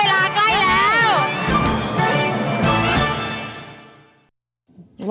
เร็วเร็ว